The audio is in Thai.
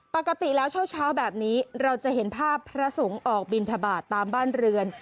ปกติแล้วเช้าแบบนี้เราจะเห็นภาพพระสงฆ์ออกบินทบาทตามบ้านเรือน